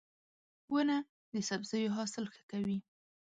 • ونه د سبزیو حاصل ښه کوي.